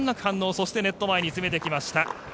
そしてネット前に詰めてきました。